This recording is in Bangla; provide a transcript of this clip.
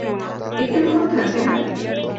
একটুক্ষণ থাকবে না?